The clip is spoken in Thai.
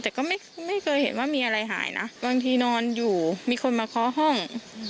แต่ก็ไม่เคยเห็นว่ามีอะไรหายนะบางทีนอนอยู่มีคนมาเคาะห้อง